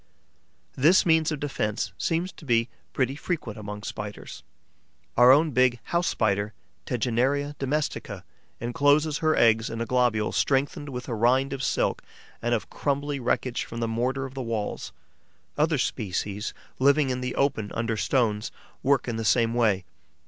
This means of defence seems to be pretty frequent among Spiders. Our own big House Spider, Tegenaria domestica, encloses her eggs in a globule strengthened with a rind of silk and of crumbly wreckage from the mortar of the walls. Other species, living in the open under stones, work in the same way.